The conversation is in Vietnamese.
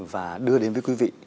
và đưa đến với quý vị